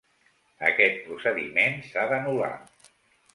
Aquest procediment s’ha d’anul·lar.